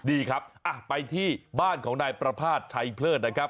ดีครับไปที่บ้านของนายประภาษณ์ชัยเพลิศนะครับ